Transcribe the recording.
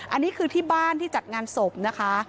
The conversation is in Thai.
อันนี้คือที่บ้านที่จัดงานศพนะคะ